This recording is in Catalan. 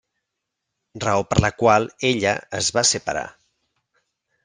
Raó per la qual ella es va separar.